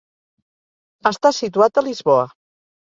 Està situat a Lisboa.